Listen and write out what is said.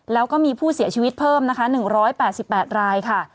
แล้วก็มีผู้เสียชีวิตเพิ่มนะคะ๑๘๘รายค่ะ